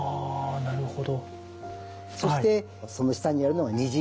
なるほど。